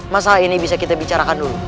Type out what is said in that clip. masa ini bisa kita bicarakan dulu